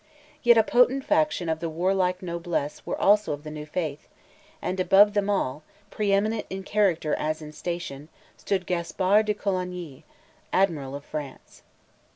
Yet a potent fraction of the warlike noblesse were also of the new faith; and above them all, preeminent in character as in station, stood Gaspar de Coligny, Admiral of France.